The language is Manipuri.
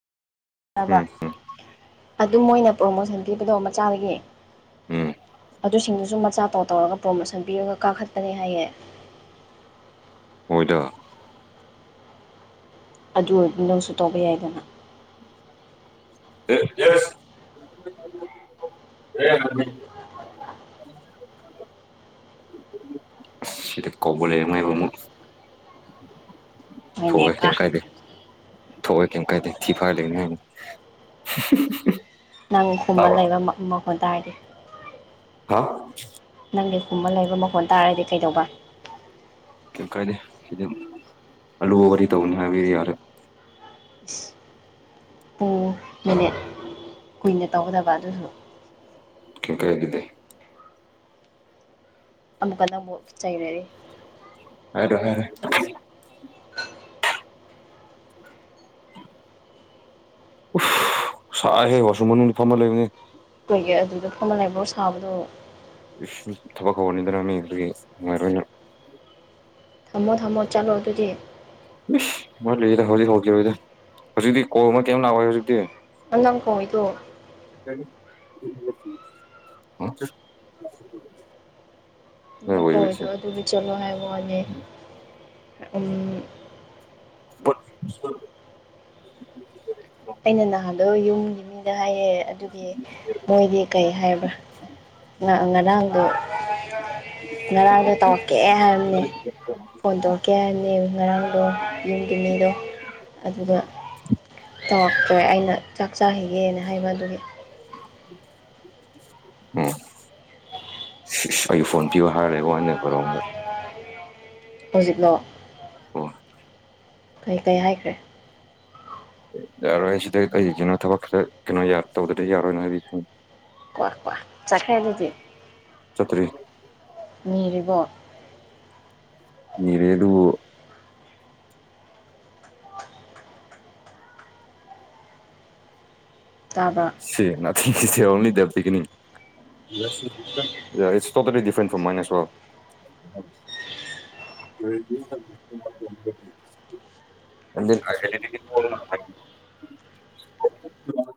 ꯎꯝ ꯎꯝ [unintelligible] ꯑꯗꯨ ꯃꯣꯏꯅ ꯄ꯭ꯔꯣꯃꯣꯁꯟ ꯄꯤꯕꯗꯣ ꯃꯆꯥꯗꯒꯤ ꯎꯝ ꯑꯗꯨꯁꯤꯡꯗꯨꯁꯨ ꯃꯆꯥ ꯄꯥꯎ ꯇꯧꯔꯒ ꯄ꯭ꯔꯣꯃꯣꯁꯟ ꯄꯤꯔꯒ ꯀꯥꯈꯠꯄꯅꯦ ꯍꯥꯏꯌꯦ ꯍꯣꯏꯗꯥ ꯑꯗꯨ ꯑꯣꯏꯔꯗꯤ ꯅꯪꯁꯨ ꯇꯧꯕ ꯌꯥꯏꯗꯅ [unintelligible] ꯌꯦꯁ [unintelligible] ꯀꯧꯕꯨ [unintelligible] ꯑꯃꯨꯛ ꯍꯣꯏꯅꯦ [unintelligible] ꯀꯥ ꯀꯩꯝ ꯀꯥꯏꯗꯦ ꯊꯣꯑꯣꯏ ꯀꯩꯝ ꯀꯥꯏꯗꯦ ꯊꯤ ꯐꯥꯏ ꯂꯩ ꯅꯪ ꯈꯨꯝꯃ ꯂꯩꯕ ꯃꯥ ꯃꯥꯈꯣꯟ ꯇꯔꯗꯤ ꯍꯥ ꯅꯪꯒꯤ ꯈꯨꯝꯕ ꯂꯩꯕ ꯃꯈꯣꯟ ꯇꯥꯔꯗꯤ ꯀꯩꯗꯧꯕ ꯀꯩꯝ ꯀꯥꯏꯗꯦ ꯁꯤꯗꯤ ꯑꯂꯨꯕ ꯋꯥꯔꯤ ꯇꯧꯅꯤ ꯍꯥꯏꯕ ꯌꯥꯔꯦ ꯄꯨꯡ ꯃꯤꯅꯤꯠ ꯀꯨꯏꯅ ꯇꯧꯒꯗꯕ ꯑꯗꯨꯁꯨ ꯀꯩꯝ ꯀꯥꯏꯕꯤꯗꯦ ꯑꯃꯨꯛꯀ ꯅꯪꯕꯨ ꯆꯪꯔꯔꯤ ꯍꯥꯏꯔꯣ ꯍꯥꯏꯔꯦ [unintelligible] ꯎꯁ ꯁꯥꯏꯍꯦ ꯋꯥꯁꯨꯝ ꯃꯅꯨꯡꯗ ꯐꯝꯃ ꯂꯩꯕꯅꯤ ꯀꯩꯒꯤ ꯑꯗꯨꯗ ꯐꯝꯃꯥ ꯂꯕ꯭ꯔꯣ ꯁꯥꯕꯗꯣ ꯏꯁ ꯃꯤ ꯊꯕꯛ ꯍꯧꯔꯅꯤꯗꯅ ꯃꯤ ꯑꯗꯨꯒꯤ ꯅꯨꯉꯥꯏꯔꯣꯏꯅ ꯊꯝꯃꯣ ꯊꯝꯃꯣ ꯆꯠꯂꯣ ꯑꯗꯨꯗꯤ ꯏꯁ ꯋꯥꯠꯂꯤꯗ ꯍꯧꯖꯤꯛ ꯍꯧꯈꯤꯔꯣꯏꯗ ꯍꯧꯖꯤꯛꯇꯤ ꯀꯣ ꯑꯃ ꯀꯩꯝ ꯂꯥꯛꯑꯣꯏ ꯍꯧꯖꯤꯛꯇꯤ ꯅꯪ ꯀꯧꯏꯗꯨ ꯎꯝ ꯍ [unintelligible] ꯅꯪ ꯀꯧꯏꯗꯣ ꯑꯗꯨꯗꯤ ꯆꯠꯂꯣ ꯍꯥꯏꯕ ꯋꯥꯅꯤ [unintelligible] ꯑꯩꯅ ꯅꯍꯥꯗꯣ ꯌꯨꯝꯒꯤ ꯃꯤꯗ ꯍꯥꯏꯌꯦ ꯑꯗꯨꯒꯤ ꯃꯣꯏꯗꯤ ꯀꯩ ꯍꯥꯏꯕ꯭ꯔꯥ ꯉꯔꯥꯡꯗꯣ ꯉꯔꯥꯡꯗꯣ ꯇꯧꯔꯛꯀꯦ ꯍꯥꯏꯔꯝꯅꯦ ꯐꯣꯟ ꯇꯧꯔꯛꯀꯦ ꯍꯥꯏꯔꯅꯦ ꯉꯔꯥꯡꯗꯣ ꯌꯨꯝꯒꯤ ꯃꯤꯗꯣ ꯑꯗꯨꯒ ꯇꯧꯔꯛꯇꯦ ꯑꯩꯅ ꯆꯥꯛ ꯆꯥꯈꯤꯒꯦꯅ ꯍꯥꯏꯕ ꯑꯗꯨꯒꯤ ꯎꯝ ꯑꯩ ꯐꯣꯟ ꯄꯤꯕ ꯍꯥꯏꯔꯦ ꯋꯥꯅꯦꯕꯔꯣꯝꯗ ꯍꯧꯖꯤꯛꯂꯣ ꯑꯣ ꯀꯩ ꯀꯩ ꯍꯥꯏꯈ꯭ꯔꯦ ꯑꯦ ꯌꯥꯔꯣꯏ ꯁꯤꯗ ꯑꯩꯁꯤꯅ ꯊꯕꯛ ꯈꯔ ꯀꯩꯅꯣ ꯇꯧꯗꯗꯤ ꯌꯥꯔꯣꯏꯅ ꯍꯥꯏꯔꯤꯁꯤꯅꯤ ꯀ꯭ ꯀ꯭ꯋꯥ ꯆꯠꯈ꯭ꯔꯦ ꯑꯗꯨꯗꯤ ꯆꯠꯇ꯭ꯔꯤ ꯅꯤꯔꯤꯕꯣ ꯃꯤꯔꯦꯗꯨ ꯇꯥꯕ ꯁꯤ ꯅ ꯊꯦꯡꯁ ꯑꯣ ꯗꯦꯕ ꯊꯅꯤ ꯏ ꯇꯣꯇꯗꯤꯐꯔꯦꯟ ꯐ꯭ꯔꯣꯝ ꯃꯥꯏꯅꯦꯁ [unintelligible] ꯑꯗꯨ ꯐꯣ